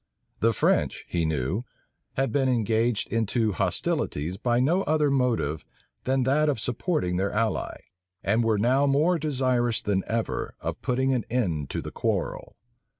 The French, he knew, had been engaged into hostilities by no other motive than that of supporting their ally; and were now more desirous than ever of putting an end to the quarrel.